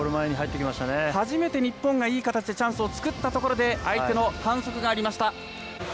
初めて日本がいい形でチャンスを作ったところで相手の反則がありました。